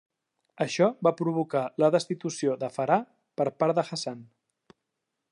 Això va provocar la destitució de Farah per part de Hassan.